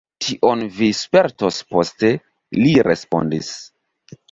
Tion vi spertos poste, li respondis.